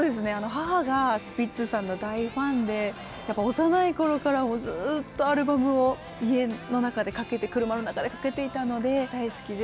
母がスピッツさんの大ファンで幼い頃からもうずっとアルバムを家の中でかけて車の中でかけていたので大好きで。